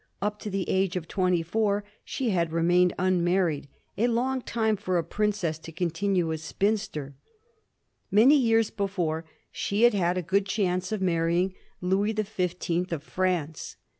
Up to the age of twenty four she had remained unmarried, a long time for a princess to continue a spinster. Many years before, she had had a good chance of marrying Louis the Fifteenth 1786. RESOLVED ON MABBUGS. 41 of France.